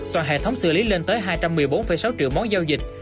toàn hệ thống xử lý lên tới hai trăm một mươi bốn sáu triệu món giao dịch